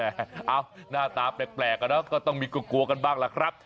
เอ้าหน้าตาแปลกก็ต้องมีกลัวกันบ้างล่ะครับ